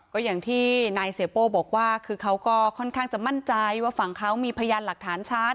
ก็อย่างที่นายเสียโป้บอกว่าคือเขาก็ค่อนข้างจะมั่นใจว่าฝั่งเขามีพยานหลักฐานชัด